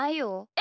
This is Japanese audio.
え？